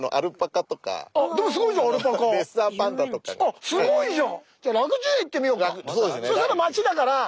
あっすごいじゃん！